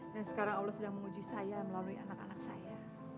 dan sekarang allah sedang menguji saya melalui anak anak saya